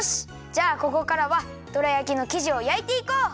じゃあここからはどら焼きのきじをやいていこう！